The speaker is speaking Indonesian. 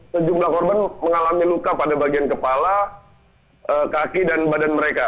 sejumlah korban mengalami luka pada bagian kepala kaki dan badan mereka